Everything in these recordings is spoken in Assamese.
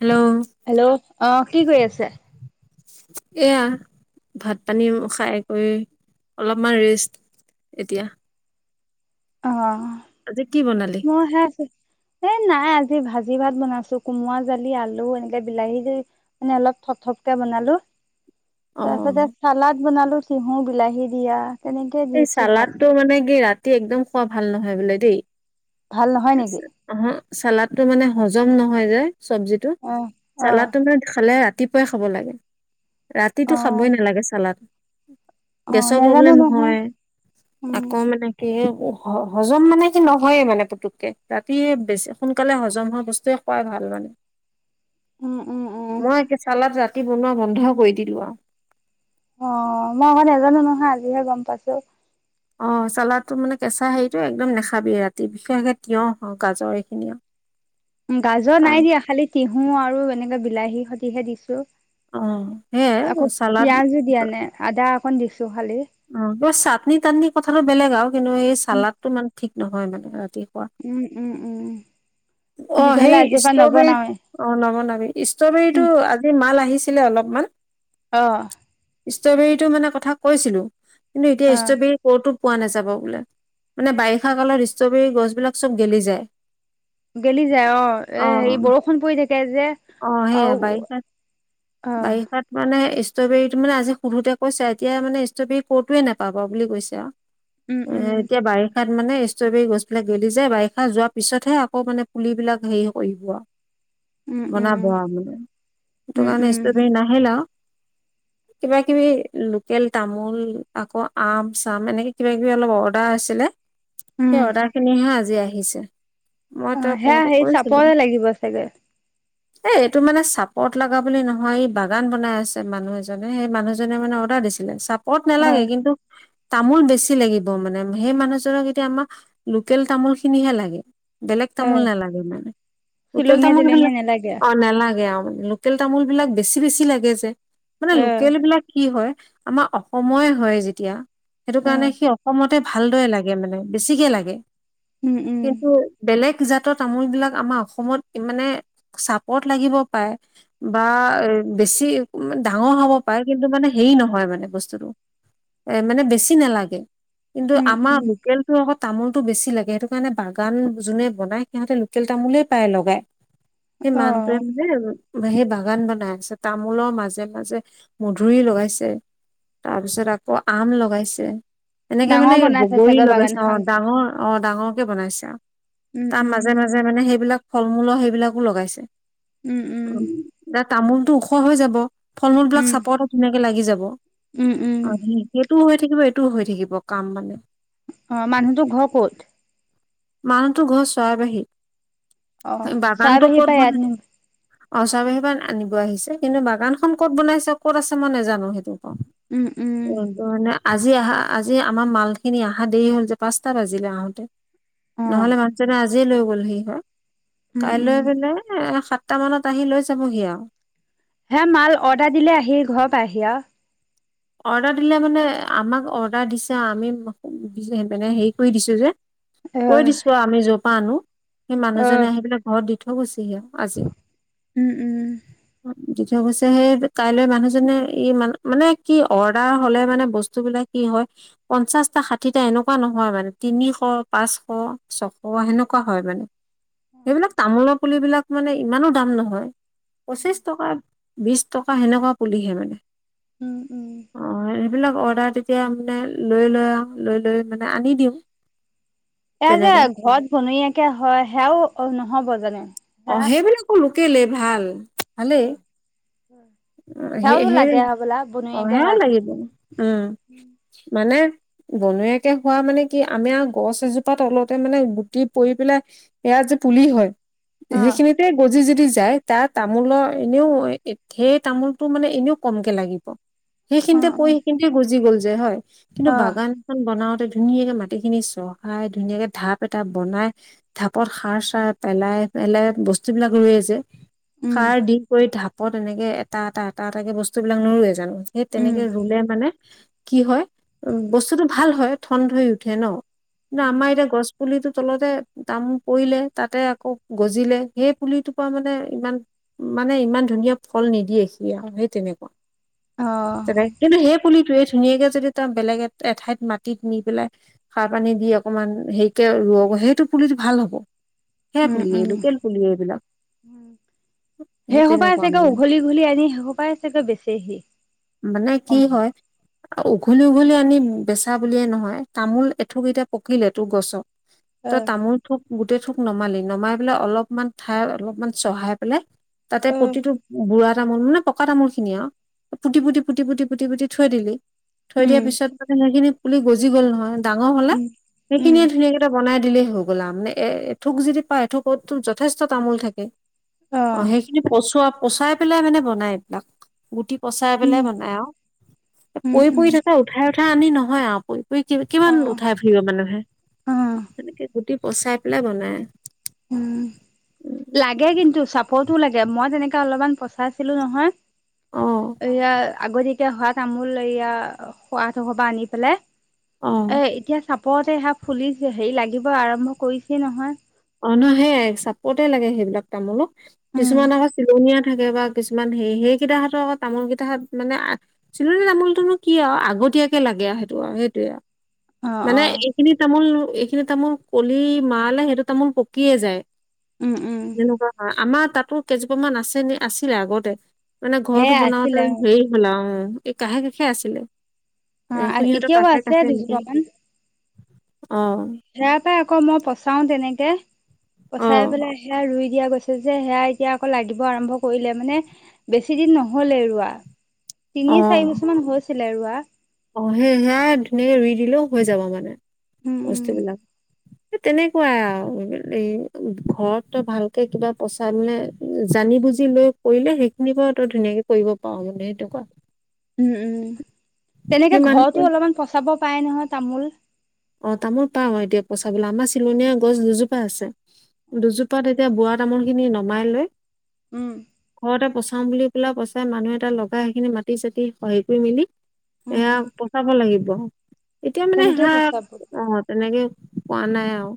Hello hello. অ' কি কৰি আছে? এয়া, ভাত পানী খাই কৰি, অলপমান ৰেষ্ট এতিয়া। অ'। আজি কি বনালি? মই সেইয়া এ, নাই, আজি ভাজি ভাত বনাইছোঁ। কোমৰা জালি, আলু এনেকে বিলাহী দি মানে অলপ থপ থপকে বনালোঁ। অ তাৰপিছতে চালাদ বনালোঁ, টিহু, বিলাহী দিয়া। তেনেকে এই দিছো ভাত চালাদটো মানে কি, ৰাতি একদম খোৱা ভাল নহয় বোলে দেই। ভাল নহয় নেকি ওহোঁ, চালাদটো মানে হজম নহয় যে চব্জিটো, অ অ চালাদটো মানে খালে ৰা তিপুৱাই খাব লাগে। ৰাতিটো অ খাবই নালাগে চালাদ। অ গেছৰ নাজানো প্ৰব্লেম নহয় হয়, উম আকৌ মানে কি, হজম মানে কি নহয়ে মানে পুটককে, ৰাতি বেছি সোনকালে হজম হোৱা বস্তুৱে খোৱাই ভাল মানে। উম, উম, উম। মই একে, চালাদ ৰাতি বনোৱা বন্ধ কৰি দিলোঁ আৰু। অ, মই আকৌ নেজানো নহয়, আজিহে গম পাইছোঁ। অ, চালাদটো মানে কেঁচা হেৰিটো একদম নাখাবি ৰাতি, বিশেষকে তিয়হ, গাজৰ এইখিনি আৰু। গাজৰ নাই দিয়া, খালি তিহু আৰু এনেকে বিলাহীৰ সতিহে দিছো। অ সেইয়াই আকৌ চালাড পিয়াজো দিয়া নাই, আদা অকণ দিছোঁ খালি। অ, বাৰু চাটনি তাটনি কথাটো বেলেগ আৰু কিন্তু এই উম চালাদটো ইমান ঠিক নহয় মানে ৰাতি খোৱা। উম, উম, উম। অ' তেতিয়াহ'লে সেই আজিৰ পৰা ষ্ট্ৰবেৰি নবনাওৱে অ' নবনাবি। উম ষ্ট্ৰবেৰীটো আজি মাল আহিছিলে অলপমান। অ'। ষ্ট্ৰবেৰীটো মানে কথা কৈছিলোঁ কিন্তু এতিয়া অ ষ্ট্ৰবেৰী ক'তো পোৱা নাযাব বোলে, মানে বাৰিষা কালত ষ্ট্ৰবেৰী গছবিলাক চব গেলি যায়। গেলি যায় অ'। এ, হেৰি, বৰষুণ পৰি থাকে যে, অ সেইয়া আৰু বাৰিষা আ বাৰিষাত মানে ষ্ট্ৰবেৰীটো মানে আজি সোধোতে কৈছে, এতিয়া মানে ষ্ট্ৰবেৰী ক'তোৱে নাপাবা বুলি কৈছে আৰু। উম এ, উম এতিয়া বাৰিষাত মানে ষ্ট্ৰবেৰী গছবিলাক গেলি যায়, বাৰিষা যোৱাৰ পিছতহে আকৌ মানে পুলিবিলাক হেৰি কৰিব উম আৰু উম বনাব আৰু মানে সেইটো উম কাৰণে উম ষ্ট্ৰবেৰী নাই। হেল্ল'। [inaudible] কিবা কিবি লোকেল তামোল আকৌ আম চাম এনেকৈ কিবা কিবি অলপ অৰ্ডাৰ আছিলে। উম সেই অৰ্ডাৰখিনিহে আজি আহিছে। মই ত হে, সেই চাপৰে লাগিব চাগৈ। এ, এইটো মানে চাপত লগা বুলি নহয় ই বাগান বনাই আছে মানুহ এজনে সেই মানুহজনে মানে ডাৰ দিছিলে। চাপৰ্ট অ নালাগে কিন্তু তামোল বেছি লাগিব মানে সেই মানুহজনক এতিয়া আমাক লোকেল তামোলখিনিহে লাগে বেলেগ অ তামোল নালাগে মানে, লোকেল চিলঙীয়া তামোল হ-লে, তিলঙীয়া নালাগে অ' নালাগে লোকেল তামোলবিলাক বেছি বেছি লাগে যে, মানে অ লোকেলবিলাক কি হয় আমাৰ অসমৰে হয় যেতিয়া সেইটো অ কাৰণে সি অসমতে ভালদৰে লাগে মানে বেছিকে লাগে উম উম কিন্তু বেলেগ জাতৰ তামোলবিলাক আমাৰ অসমত মানে চাপত লাগিব পাৰে। বা বেছি ডাঙৰ হ'ব পাৰে কিন্তু মানে হেৰি নহয় মানে বস্তুটো। এ, মানে বেছি নালাগে। কিন্তু উম আমাৰ উম লোকেল টো অক তামোলতটো বেছি লাগে সেইটো কাৰণে বাগান যোনে বনাই সিহঁতে লোকেল তামোলে পায় লগাই সেই অ মানুটোৱে মানে সেই বাগান বনাই আছে তামোলৰ মাজে মাজে মধুৰি লগাইছে। তাৰপিছত আকৌ আম লগাইছে এনেকে ডাঙৰ মানে বনাইছে বগৰী চাগৈ লগাইছে বাগানখন অ' ডাঙৰ অ' ডাঙৰকে বনাইছে আৰু উম তাৰ উম মাজে মাজে মানে সেইবিলাক ফল মূলৰ সেইবিলাকো লগাইছে। উম' উম', উ এ তামোলটো ওখ হৈ যাব ফল মূল বিলাক উম চাপৰতে ধুনাকে লাগি যাব। উম উম অ' সেইটোও হৈ থাকিব এইটোও হৈ থাকিব কাম মানে। অ' মানুহ তো ঘৰ ক'ত? মানুহটোৰ ঘৰ চৰাইবাহি। অ' চাই বাহি পাই ইয়াত নিম অ' চাৰ বাহিৰব আনিব আহিছে কিন্তু বাগানখন ক'ত বনাইছে ক'ত আছে মই নোজানো সেইটো কওঁ। উম', উম' ত' মানে আজি আহা আজি আমাৰ মাল খিনি অহা দেৰি হল যে পাঁচটা বাজিলে আহোতে। অ নহলে মাটো আজিয় লৈ গ'ল সি হয় উম কাইলৈ উম পেললে সাত সটামানত আহি লৈ যাবহি আৰু হে মাল অৰ্ডাৰ দিলে আহি ঘৰৰ আহি আৰু অৰ্ডাৰ দিলে মানে আমাক অৰ্ডাৰ দিছে আমি মানে হেৰি কৰি দিছো যে! কৈ দিছো আৰু আমি যৰ পৰা আনো সেই অ মানুহজনে আহি পেলাই ঘৰত দি থৈ গৈছেিহি আৰু আজি। উম উম দি্ব থ গৈছে সেই কাইলৈ মানুহজনে ই মান মানে কি অৰ্ডাৰ হ'লে মানে বস্তু বিলাক কি হয়। পঞ্চাশটা ষাঠিটা এনেকুৱা নহয় মানে তিনিশ পাঁচশ ছশ সেনেকুৱা হয় মানে সেইবিলাক তামোলৰ পুলিবিলাক মানে ইমানো দাম নহয় পঁচিশ টকা বিশ টকা সেনেকুৱা পুলিহে মানে। উম', উম' অ' সেইবিলাক অৰ্ডাৰ তেতিয়া মানে লৈ লৈ আৰু লৈ লৈ মানে আনি দিও এ যে ঘৰত বনাকে হয় সেয়াও নহব জানো! সেয়া অ' সেইবিলাক কো লোকলে ভাল। ভালেই হয়। অ' সেই সেই অ সেয়াই হোৱা খিনি লাগিব উম মানে বনয়াকে হোৱা মানে কি আমি আৰু গছ এজোপাত তলতে মানে গুটি পৰি পেলাই এয়া যে পুলি হয় অ সেইখিনিতে গজি যদি যায় তাৰ তামোলৰ এনেও সেই তামোলটো মানে এনেও কমকে লাগিব অ সেইখিনিতে প সেইখিনিতে গুজি গ'ল যে হয় কিন্তু অ অ বাগান এখন বনাওতে ধুনীয়াকে মাটিখিনি চহাই ধুনীয়াকে ঢাপ এটা বনাই ঢাপত সাৰ চাৰ পেলাই পেলাই বস্তুবিলাক ৰৈ যে উম সাৰ দি কৰি ঢাপত এনেকে এটা এটা এটা এটাকে বস্তু বিলাক নোৰোৱে জানো সেই উম তেনেকে ৰুলে মানে কি হয় উ বস্তুতটো ভাল হয় ঠন হৈ উঠে ন কিন্তু উম আমাৰ এতিয়া গছ পুলিতো তলতে দাম পৰিলে তাতে আকৌ গজিলে সেই পুলিটোৰ পৰা মানে ইমান মানে ইমান ধুনীয়া ফল নিদিয়ে সি আৰু সেই তেনেকুৱা অ তে কিন্তু সেই পুলিটোৱে ধুনীয়াকে যদি তাৰ বেলেগ এ এঠাইত মাটিত নি পেলাই সাৰ পানী দি অকণমান হেৰিকে ৰৱ সেইটো পুলিটো ভাল হ'ব হে উম পুলিয় উম লোকেল পুলি এইবিলাক সেই সপাই আ তেনেকুৱা চগে মানে উঘলি উঘলি আনি সেই সপাই চগে বেচি সি মানে কি হয় আও ত অ তামোল থোক গোটেই থোক নমালি নমাই পেলাই অলপমান ঠাই অলপমান চহাই পেলাই। তাতে অ প্ৰতিটো বুঢ়া তামোল নে পকা তামোলখিনি আৰু পুতি পুতি পুতি পুতি পুতি পুতি থৈ দিলি। থৈ দিয়াৰ উম পিছত মে সেইখিনিয়ে পুলি গজি গ'ল নহয় ডাঙৰ হ'লে উম উম সেইখিনিয়ে ধুনীয়াকে বনাই দিলেই হৈ গ'ল মানে এথুক যদি পাৰ এথুকতো যথেষ্ট তামোল থাকে। অ', সেইখিনি পচোৱা পচাই পেলাই মানে বনাই এইবিলাক। গুটি পচা পেলে উম বনাই আৰু উম পৰি উম পৰি থকা উঠাই আনি নহয় আৰু। কি কিমান অ', উঠাই ফুৰিব অ', মানুহে গুটি পচাই পেলাই বনাই। উম, লাগে কিন্তু চাপটো লাগে মই তেনেকে অলপমান পচাইছিলো নহয়। অ এয়া আগত এতিয়া হোৱা তামোল এয়া খোৱাহঁতৰ ঘৰৰ পৰা আনি পেলাই। অ এ এতিয়া চাপৰতে হেয়া ফুলিছে হেৰি লাগিব আৰম্ভ কৰিছে নহয়। অ', নহয় সেইয়াই চাপতে লাগে সেইবিলাক তামোলো। উম, কিছুমান আকৌ চিলনীয়া থাকে বা কিছুমান হেৰি হেৰি কিতাহঁতৰ আজৌ তামোল কিতাহঁত মানে চিলনী তামোলটোনো কি আৰু আগতীয়াকে লাগে আৰু সেইটো আৰু সেইটয়ে আৰু। অ', মানে অ', এইখিনি তামোল এইখিনি তামোল কলি মাৰালে সিটো তামোল পকিয়ে যায় উম, উম, তেনেকুৱা। আমাৰ তাতো কেইজোপ মান আছে নি আছিলে আগতে। মানে ঘৰটো সেয়া বনাওতে আছিলে হেৰি হ'ল আৰু উম। এই কাষে কাষে আছিলে। এ অ', খুৰীসিহঁতৰ এতিয়াও কাষে আছে কাষে এনেকে দুজোপামান অ'। সেয়া পাই আকৌ মই পচাও তেনেকে অ পচাই পেলাই সেয়া ৰুই দিয়া গৈছে। যে সেয়া এতিয়া আকৌ লাগিব আৰম্ভ কৰিলে মানে বেছি দিন নহ'লে ৰোৱা। অ তিনি চাৰি বছৰ মান হৈছিলে ৰোৱা। অ', সে সেইয়ায়ে ধুনীয়াকে ৰুই দিলেও হৈ যাব মানে উম, উম। বস্তুবিলাক। তেনেকুৱাই আৰু ঘৰত তই ভালকে কিবা পচাই মে জানি বুজি লৈ কৰিলে সেইখিনি পৰা তই ধুনীয়াকে কৰিব পাৰ মানে সেনেকুৱা। উম, উম তেনেকে সেই মানুহটোৱে ঘৰতো অলপমান পচাব পাৰে নহয় তামোল। অ', তামোল পাওঁ এতিয়া পচাবলৈ আমাৰ চিলনীয়া গছ দুজোপা আছে। দুজোপাত তেতিয়া বোৱা তামোলখিনি নমাই লৈ। উম। ঘৰতে পচাওঁ বুলি পেলাই পচাই মানুহ এটা লগাই সেইখিনি মাটি চতি সেইখিনি মেলি। উম সেয়া পচাব লাগিব এতিয়া মানে তেনেকেই হা পচাব অ', তেনেকে কৰা নাই আৰু।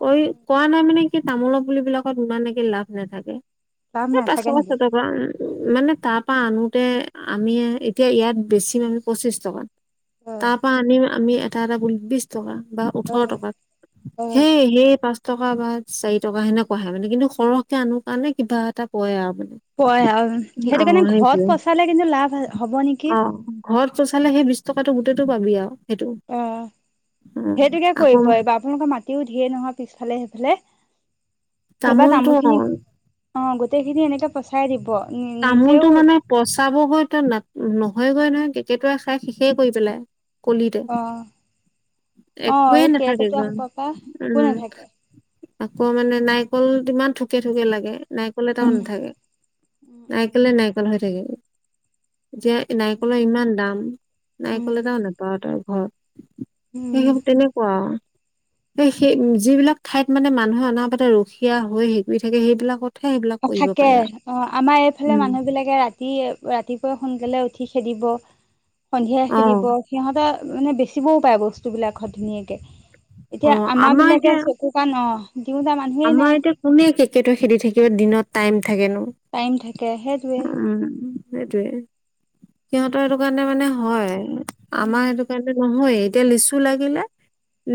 কৰি কৰা নাই মানে কি তামোলৰ পুলিবিলাকত ইমানকে লাভ নাথাকে। লাভ সেই পাঁচশ নাথাকে নেকি? পাঁচশ মানে তাৰপা আনোতে আমি এতিয়া ইয়াত বেচিম পঁচিশ টকা। অ তাৰ পৰা আনি আমি এটা এটা বিছ টকা বা ওঠৰ টকা অ সেই সেই পাঁচ টকা বা চাৰি টকা সেনে কে মানে কিন্তু সৰহকে আনো কাৰণে কিবা এটা ক আৰু মানে। পৰে আৰু অ সেইটো কাৰণে ঘৰত সেইটোয়ে পচালে কিন্তু লাভ হ'ব অ নেকি? ঘৰত পচালে সেই বিশ টকাটো গোটেইতটো পাবি আৰু সেইটো। অ', অ সেইটোকে আকৌ কৰিব এইবাৰ। আপোনালোকৰ মাটিও ধেৰ নহয় পিছফালে সেইফালে। এবাৰ তামোলটো অ তামোলখিনি অ', গোটেইখিনি এনেকে পচাই দিব নিজেও পচাব গৈ তোৰ ন নহয়গৈ নহয় কেকেটুৱাই খাই শেষেই কৰি পেলাই কলিতে। অ', অ', একোৱেই এই কেকেটুৱা নাথাকেগৈ খোপা পা একো উম নাথাকে। আকৌ মানে নাৰিকল তোমাৰ ঠুকে ঠুকে লাগে। নাৰিকল এটাও উম নাথাকে উম উম নাৰিকলে নাৰিকল হৈ থাকে। যে নাৰিকলৰ ইমান দাম উম নাৰিকল এটাও নেপাওঁ তই ঘৰত। উম সেই তেনেকুৱা আৰু। এ সেই যিবিলাক ঠাইত মানে মানুহে অনা পাতে ৰখীয়া হৈ হেৰি কৰি থাকে সেইবিলাকত অ', থাকে, অ' আমাৰ এইফালে মানুহবিলাকে ৰাতি ৰাতি ৰাতিপুৱাই সোনকালে উঠি খেদিব, সন্ধিয়া অ খেদিব সিহঁতৰ মানে বেচিবও পাৰে বস্তু বিলাকত ধুনীয়াকে অ এতিয়া আমাৰ এতিয়া বিলাকে কোক ন দিওঁ দাম আমাৰ এতিয়া কোনে কেকেতটো খেদি থাকিব দিনত টাইম থাকেনো টাইম থাকে সেইটোৱে উম, সেইটোৱে সিহতৰ এইটো কাৰণে মানে হয় আমাৰ উম সেইটো কাৰণে নহয় এতিয়া লিচু লাগিলে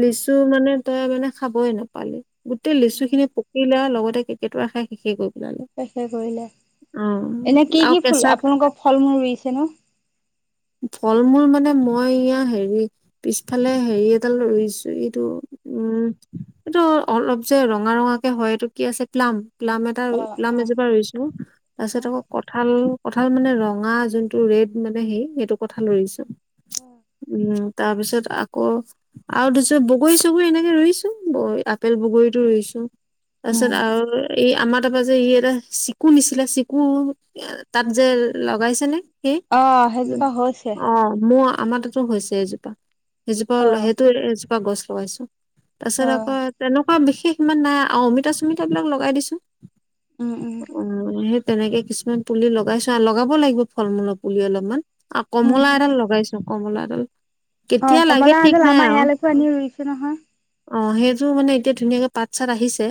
লিচু মানে তই মানে খাবই নাপালি তে লেচু খিনি পকিলে লগতে কেকিটো আশা শেষি গল শেষ কৰিলে এনে কি আৰু কি ফুল কেঁচা আপোনালোকৰ ফল মূল ৰুইছে ন [inaudible] ফল মূল মানে মই ইয়া হেৰি পিছফালে হেৰি এডাল ৰুইছো এইটো উম এইটো অলপ যে ৰঙা ৰঙাকে হয় এইটো কি আছে ক্লাম ক্লাম এটা অ ক্লাম এজোপা ৰুইছো অ তাৰপিছত আকৌ কঁঠাল কঁঠাল মানে ৰঙা যোনটো ৰেড মানে হে সেইটো কঁঠাল ৰুইছো উম, উম তাৰপিছত আকৌ আৰু দিছোঁ বগৰী চগৰী এনেকে ৰুইছো আপেল বগৰী ৰুইছোঁ তাৰপিছত উম আৰু এই আমাৰ তাৰপৰা যে ই এটা চিকু নিছিলে চিকু তাত যে লগাইছে নে সেই অ সেইজোপা হৈছে অ মোৰ আমাৰ তাত হৈছে এজোপা এজোপা অ সেইটো এজোপা গছ লগাইছো তাৰপিছত অ আকৌ তেনেকুৱা বিশেষ ইমান নাই আৰু অমিতা চুমিতা বিলাক লগাই দিছো উম, উম অ, সেই তেনেকে কিছুমান পুলি লগাইছো আৰু লগাব লাগিব ফল মূলৰ পুলি অলপমান অ, উম কমলা উম এডাল লগাইছো কমলা এডাল কেতিয়া অ', লাগে কমলা ঠিক মাজল নাই আমাৰ আৰু ইয়ালৈকো আনি ৰুইছো নহয় অ', সেইটোৰ মানে এতিয়া ধুনীয়াকে পাত চাত আহিছে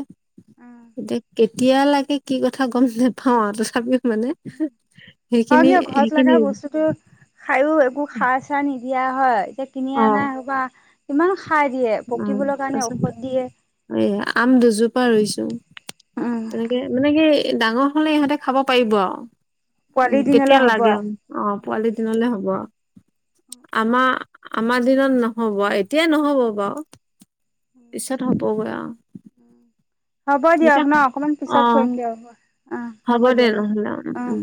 এতিয়া কেতিয়া লাগে কি কথা গ'ম নোপাওঁ আৰু, তথাপিও মানে সেইখিনি, সেইখিনি- খায়ও একো খাৰ চাৰ নিদিয়া হয় এতিয়া কিনি অ অনা সপা ইমান খাই দিয়ে অ পকিবলৈ কাৰণে তাৰপিছত ঔষধ দিয়ে এই আম দুজোপা ৰুইছো উম তেনেকে মানে কি ডাঙৰ হলে ইহঁতে খাব পাৰিব আৰু পোৱালি কেতিয়া দিনলৈ হ'ব লাগে আৰু। অ উম পোৱালি দিনলে হ'ব আমাৰ আমাৰ দিনত নহব এতিয়াই নহব বাৰু পিছতত হবগ উ হ'ব দিয়ক আপোনাৰ অকমান অ পিছত কৰিম দিয়ক হ'ব অ হ'ব দে দিয়ক নহ'লে অ উ